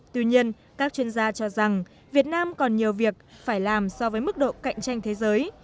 tuy nhiên các chuyên gia cho rằng việt nam còn nhiều việc phải làm so với mức độ cạnh tranh thế giới